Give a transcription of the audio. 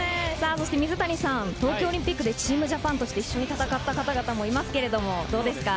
水谷さん、東京オリンピックでチームジャパンとして一緒に戦った方々もいますけれど、どうですか？